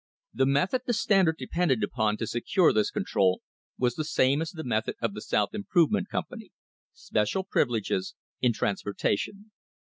* The method the Standard depended upon to secure this control was the same as the method of the South Improve ment Company — special privileges in transportation.